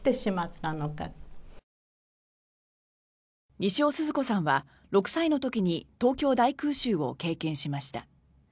西尾静子さんは６歳の時に東京大空襲を経験しました。